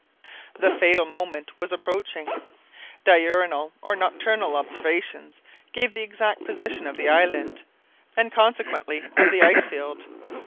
The fatal moment was approaching. Diurnal or nocturnal observations gave the exact position of the island, and consequently of the ice field.